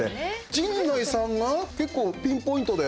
陣内さんが結構、ピンポイントで。